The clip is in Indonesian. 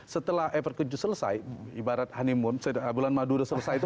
setelah efek kejut selesai ibarat bulan madu sudah selesai